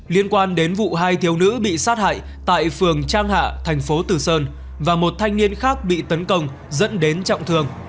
liên quan đến vụ hai thiếu nữ bị sát hại tại phường trang hạ thành phố từ sơn và một thanh niên khác bị tấn công dẫn đến trọng thương